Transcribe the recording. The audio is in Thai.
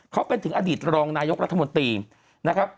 เขาเป็นถึงอดีตรองนายกรัฐมนตรีนะครับ